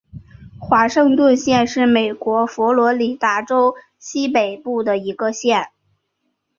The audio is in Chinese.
华盛顿县是美国佛罗里达州西北部的一个县。